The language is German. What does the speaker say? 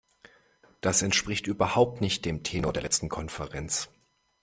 Das entspricht überhaupt nicht dem Tenor der letzten Konferenz.